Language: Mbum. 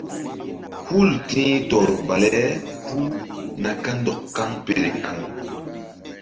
Hul ti̧h tɔr bale puh na kandɔk kaŋpele kaŋ.